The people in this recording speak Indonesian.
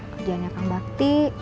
kerjaan yang akan bakti